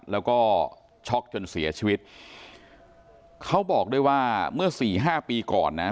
แล้วก็ช็อกจนเสียชีวิตเขาบอกด้วยว่าเมื่อสี่ห้าปีก่อนนะ